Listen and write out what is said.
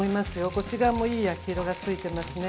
こっち側もいい焼き色がついてますね。